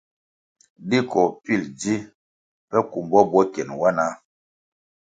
Di koh pil ji peh kumbo bwo kyen wanah.